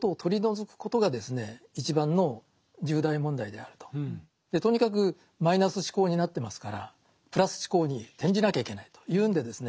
だからとにかくマイナス思考になってますからプラス思考に転じなきゃいけないというんでですね